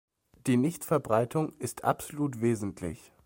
Die Nichtverbreitung ist absolut wesentlich.